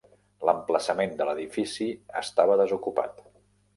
L'emplaçament de l'edifici estava desocupat.